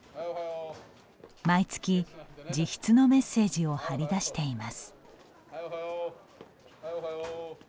毎月、自筆のメッセージを貼りだしています。